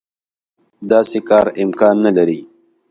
داسې کار امکان نه لري.